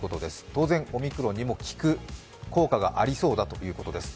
当然、オミクロンにも効く効果がありそうだということです。